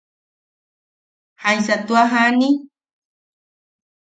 ¿Jaisa tua jani?